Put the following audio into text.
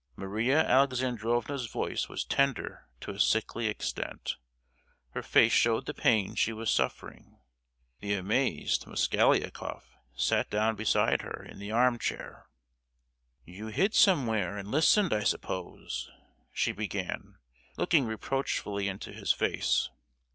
Maria Alexandrovna's voice was tender to a sickly extent. Her face showed the pain she was suffering. The amazed Mosgliakoff sat down beside her in the arm chair. "You hid somewhere, and listened, I suppose?" she began, looking reproachfully into his face.